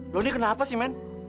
lo ini kenapa sih man